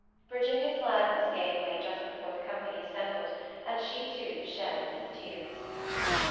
Virginia's gladness gave way just before the company assembled, and she too shed many tears.